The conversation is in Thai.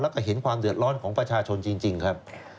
แล้วก็เห็นความเดือดร้อนของประชาชนจริงครับ